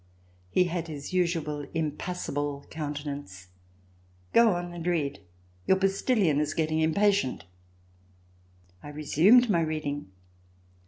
He had his usual impassible countenance. "Go on and read. Your postillion is getting im patient.'' I resumed my reading.